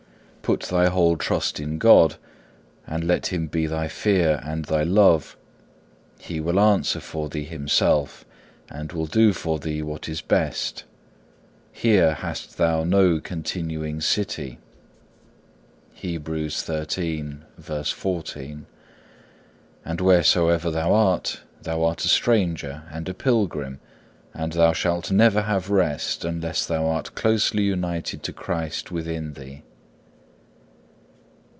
Put thy whole trust in God and let Him be thy fear and thy love, He will answer for thee Himself, and will do for thee what is best. Here hast thou no continuing city,(3) and wheresoever thou art, thou art a stranger and a pilgrim, and thou shalt never have rest unless thou art closely united to Christ within thee.